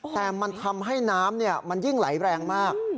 แต่มันทำให้น้ำมันยิ่งไหลแรงมาก